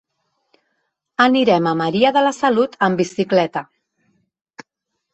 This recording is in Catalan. Anirem a Maria de la Salut amb bicicleta.